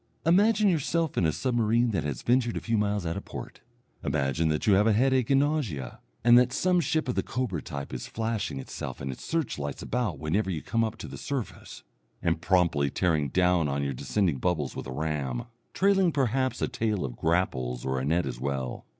Imagine yourself in a submarine that has ventured a few miles out of port, imagine that you have headache and nausea, and that some ship of the Cobra type is flashing itself and its search lights about whenever you come up to the surface, and promptly tearing down on your descending bubbles with a ram, trailing perhaps a tail of grapples or a net as well.